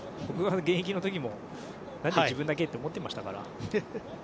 僕が現役の時も、何で自分だけ？って思ってましたから。